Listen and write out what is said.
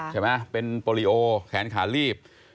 ใช่ไหมเป็นโปรลิโอแขนขาลีบ